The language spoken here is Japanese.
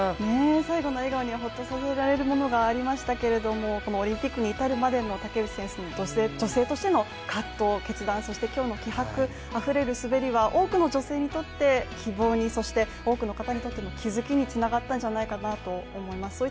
最後の笑顔にはホッとさせられるものがありましたけれども、オリンピックに至るまでの竹内選手の女性としたの葛藤、決断、そして今日の気迫あふれる滑りは、多くの女性にとっての希望に、多くの方にとっての気づきになったんじゃないかなと思います。